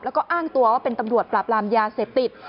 แล้วก็อ้างตัวว่าเป็นตำรวจปราบรามยาเสพติด